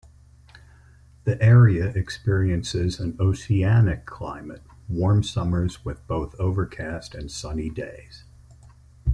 The area experiences an oceanic climate, warm summers with both overcast and sunny days.